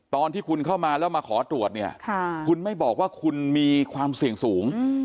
ตอนที่คุณเข้ามาแล้วมาขอตรวจเนี่ยคุณไม่บอกว่าคุณมีความเสี่ยงสูง